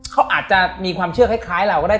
เขาอาจจะมีความเชื่อคล้ายเราก็ได้